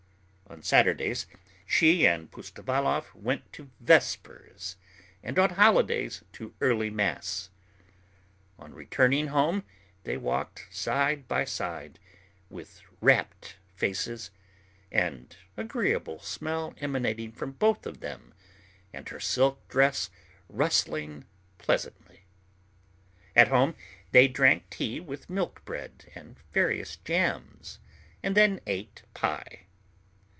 On Saturdays she and Pustovalov went to vespers, and on holidays to early mass. On returning home they walked side by side with rapt faces, an agreeable smell emanating from both of them and her silk dress rustling pleasantly. At home they drank tea with milk bread and various jams, and then ate pie.